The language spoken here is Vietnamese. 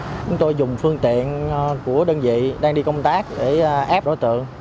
chúng tôi dùng phương tiện của đơn vị đang đi công tác để ép đối tượng